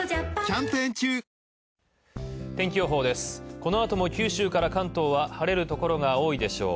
このあとも九州から関東は晴れるところが多いでしょう。